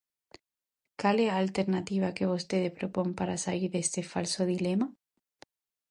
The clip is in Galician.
Cal é a alternativa que vostede propón para saír deste falso dilema?